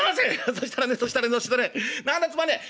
「そしたらねそしたらねそしたらね何だつまんねえ。